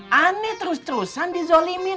saya terus terusan dizolimin